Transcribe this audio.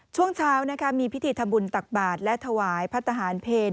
ช่วงเช้ามีพิธีทำบุญตักบาทและถวายพระทหารเพล